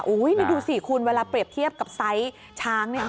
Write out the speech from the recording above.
อุ้ยดูสี่คูณกดเวลาเปรียบเทียบกับมุชศาสตร์ช้างเนี่ย